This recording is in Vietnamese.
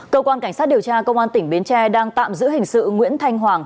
cơ quan cảnh sát điều tra công an tỉnh bến tre đang tạm giữ hình sự nguyễn thanh hoàng